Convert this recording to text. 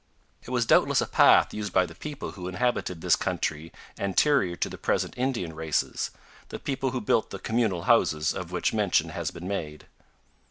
It was doubtless a path used by the people who inhabited this country anterior to the present Indian races the people who built the communal houses of which mention has been made.